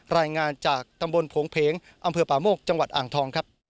รายงานจากตำบลโผงเพงอำเภอป่าโมกจังหวัดอ่างทองครับ